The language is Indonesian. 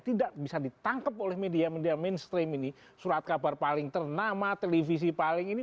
tidak bisa ditangkap oleh media media mainstream ini surat kabar paling ternama televisi paling ini